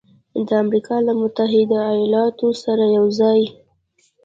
د امریکا له متحده ایالاتو سره یوځای